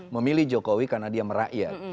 memilih jokowi karena dia merakyat